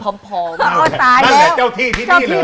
พอสายแล้วเจ้าที่ที่นี่เลย